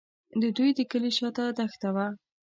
د دوی د کلي شاته دښته وه.